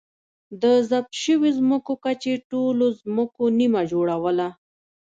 د ضبط شویو ځمکو کچې ټولو ځمکو نییمه جوړوله.